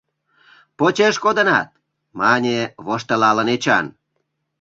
— Почеш кодынат! — мане воштылалын Эчан.